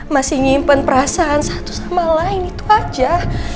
masih nyimpen perasaan satu sama lain itu aja